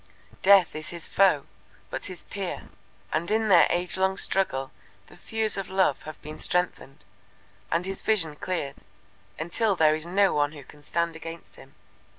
Death is his foe, but his peer, and in their age long struggle the thews of Love have been strengthened, and his vision cleared, until there is no one who can stand against him.